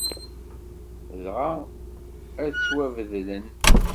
Dɣa ad ttwabeddlen.